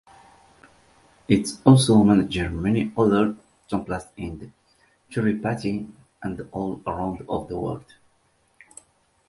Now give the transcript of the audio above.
It also manages many other temples in Tirupati and all around the world.